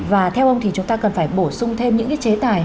và theo ông thì chúng ta cần phải bổ sung thêm những cái chế tài